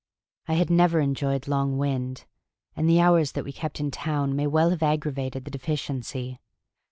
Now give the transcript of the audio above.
I had never enjoyed long wind and the hours that we kept in town may well have aggravated the deficiency.